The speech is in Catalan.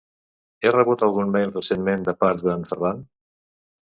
He rebut algun mail recentment de part d'en Ferran?